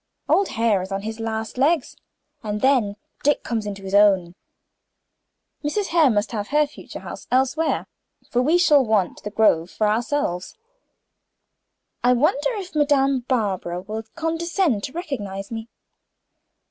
Old Hare is on his last legs, and then Dick comes into his own. Mrs. Hare must have her jointure house elsewhere, for we shall want the Grove for ourselves. I wonder if Madame Barbara will condescend to recognize me.